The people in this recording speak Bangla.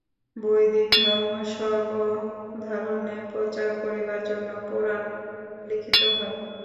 বৈদিক ধর্ম সর্বসাধারণে প্রচার করিবার জন্য পুরাণ লিখিত হয়।